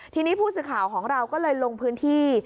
ทีนี้ผู้สื่อข่าวของเราก็เลยลงพื้นที่